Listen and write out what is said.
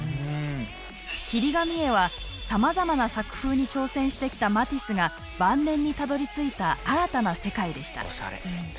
切り紙絵はさまざまな作風に挑戦してきたマティスが晩年にたどりついた新たな世界でした。